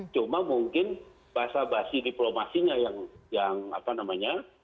cuma mungkin basa basi diplomasinya yang apa namanya